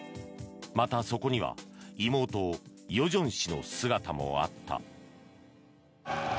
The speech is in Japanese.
また、そこには妹・与正氏の姿もあった。